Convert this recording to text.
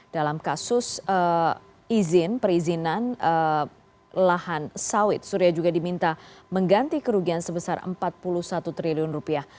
dalam kasus izin perizinan lahan sawit surya juga diminta mengganti kerugian sebesar empat puluh satu triliun rupiah